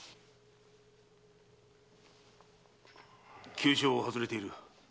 急所は外れている。